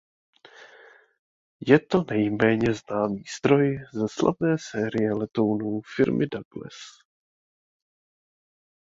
Je to nejméně známý stroj ze slavné série letounů firmy Douglas.